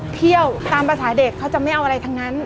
เที่ยวตามภาษาเด็กเขาจะไม่เอาอะไรทั้งนั้น